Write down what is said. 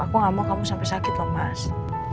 aku gak mau kamu sampai sakit loh mas